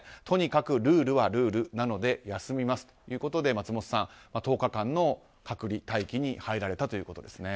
とにかくルールはルールなので休みますということで松本さんは１０日間の隔離待機に入られたということです。